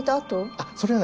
あっそれはね